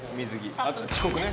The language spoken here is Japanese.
あと遅刻ね。